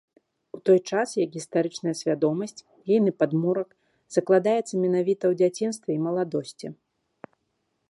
У той час як гістарычная свядомасць, ейны падмурак, закладаецца менавіта ў дзяцінстве і маладосці.